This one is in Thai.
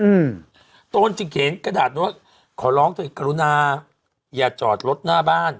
อืมตนจึงเขียนกระดาษโน้ตขอร้องตัวเองกรุณาอย่าจอดรถหน้าบ้าน